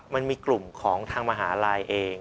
มันมีกลุ่มของทางมหาลัยเอง